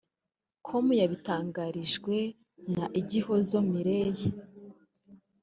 com yabitangarijwe na Igihozo Miley